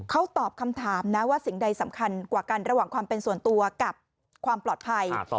เขาตอบคำถามนะว่าสิ่งใดสำคัญกว่ากันระหว่างความเป็นส่วนตัวกับความปลอดภัย